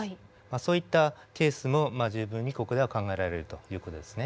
そういったケースも十分にここでは考えられるという事ですね。